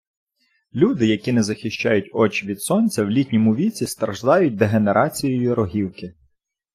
Люди, які не захищають очі від сонця, в літньому віці страждають дегенерацією рогівки